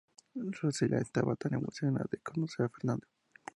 Rosella estaba tan emocionada de conocer a Fernando.